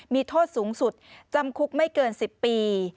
มีโทษสูงสุดจำคุกไม่เกิน๑๐ปี